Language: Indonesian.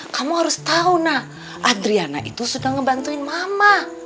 kamu harus tahu nak adriana itu sudah ngebantuin mama